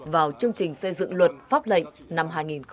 vào chương trình xây dựng luật pháp lệnh năm hai nghìn hai mươi bốn